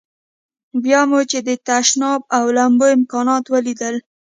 بیا مو چې د تشناب او لمبو امکانات ولیدل.